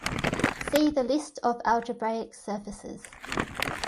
See the list of algebraic surfaces.